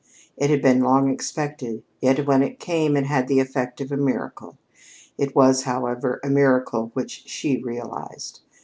It had been long expected, yet when it came it had the effect of a miracle. It was, however, a miracle which she realized.